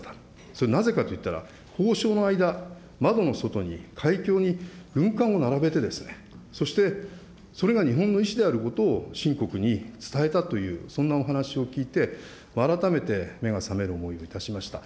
それはなぜかといったら、交渉の間、窓の外に海峡に軍艦を並べて、そしてそれが日本の意思であることをしん国に伝えたというそんなお話を聞いて、改めて目が覚める思いがいたしました。